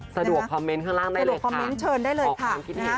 สะดวกคอมเม้นต์ข้างล่างได้เลยค่ะขอบความพี่หนิง